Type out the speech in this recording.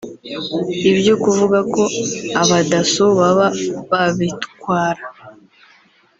ibyo kuvuga ko Abadasso baba babitwara